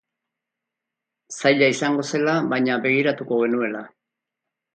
Zaila izango zela baina begiratuko genuela.